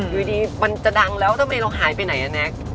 อยู่ดีมันจะดังแล้วทำไมเราหายไปไหนอะแน็ก